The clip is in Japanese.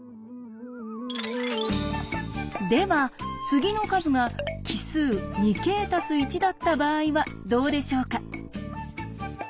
では次の数が奇数だった場合はどうでしょうか？